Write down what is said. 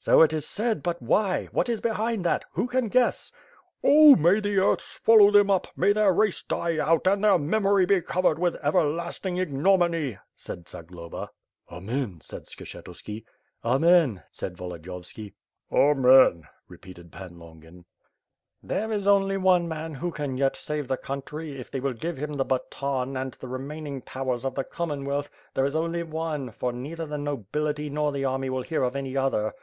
"So it is said, but why? What is behind that? Who can guess?" "Oh may the earth swallow them up, may their race die out and their memory be covered with everlasting ignominy," said Zagloba. WITH FIRE AND tiWORD. ^j^ "Amen/* said Skshetuski. "Amen/* said Volodiyovski. "Amen/' said Volodyovski. "Amen/' repeated Pon Ijongin. There is only one man who can yet save the country; if they will give him the baton and the remaining powers of the Commonwealth. There is only one, for neither the no bility nor the army will hear of any other."